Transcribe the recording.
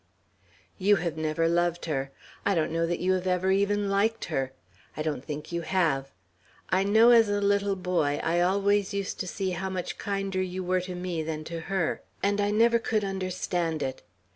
"You have never loved her. I don't know that you have ever even liked her; I don't think you have. I know, as a little boy, I always used to see how much kinder you were to me than to her, and I never could understand it.